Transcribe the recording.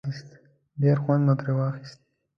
ډېر خوند مو پرې واخیست.